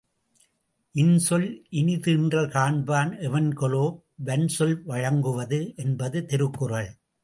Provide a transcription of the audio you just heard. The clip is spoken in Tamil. இன்சொல் இனிதீன்றல் காண்பான் எவன்கொலோ வன்சொல் வழங்கு வது என்பது திருக்குறள்.